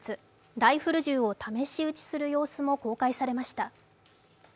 ライフル銃を試し撃ちする様子も公開されました。